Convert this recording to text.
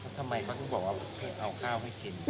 ทำไมเขาถึงบอกว่าเอาข้าวให้กิน